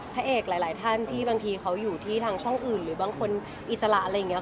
พระเอกหลายท่านที่บางทีเขาอยู่ที่ทางช่องอื่นหรือบางคนอิสระอะไรอย่างนี้